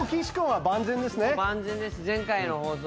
万全です。